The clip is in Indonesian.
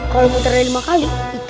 kalau muteran lima kali